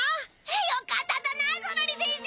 よかっただなゾロリせんせ。